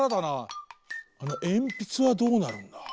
あのえんぴつはどうなるんだ？